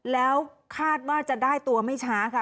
แล้วคาดว่าจะได้ตัวไม่ช้าค่ะ